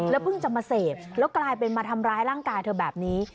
เพิ่งจะมาเสพแล้วกลายเป็นมาทำร้ายร่างกายเธอแบบนี้